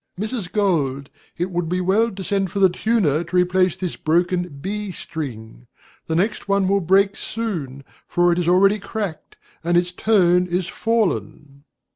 Mrs. Gold, it would be well to send for the tuner to replace this broken B string. The next one will break soon, for it is already cracked, and its tone is fallen.